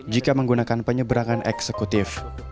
jika menggunakan penyeberangan eksekutif